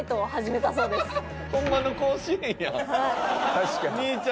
確かに。